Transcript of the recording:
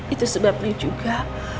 itu sebabnya juga